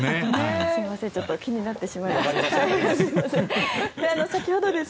すいません、ちょっと気になってしまいました。